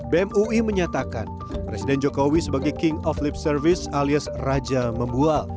bem ui menyatakan presiden jokowi sebagai king of lip service alias raja membual